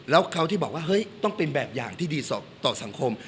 แล้วเขาที่บอกว่าเฮ้ยต้องเป็นแบบอย่างที่ดีต่อสังคม